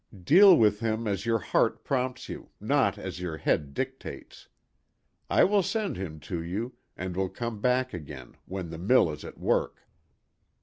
Deal with him as your heart prompts you, and not as your head dictates. I will send him to you, and will come back again when the mill is at work."